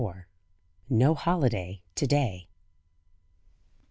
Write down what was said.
NO HOLIDAY TO DAY.